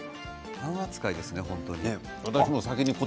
パン扱いですね、本当に。